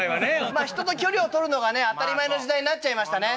まあ人と距離をとるのがね当たり前の時代になっちゃいましたね。